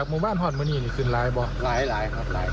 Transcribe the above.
ขึ้นหลายบ่ะหลายครับหลาย